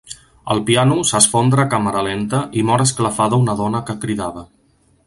El piano s'esfondra a càmera lenta i mor esclafada una dona que cridava.